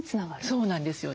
そうなんですよ。